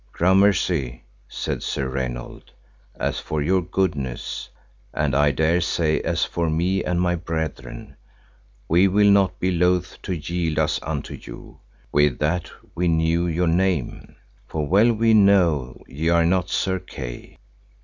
Gramercy, said Sir Raynold, as for your goodness; and I dare say as for me and my brethren, we will not be loath to yield us unto you, with that we knew your name, for well we know ye are not Sir Kay.